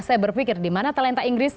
saya berpikir di mana talenta inggris